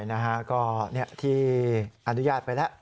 นะฮะก็ที่อนุญาตไปแล้ว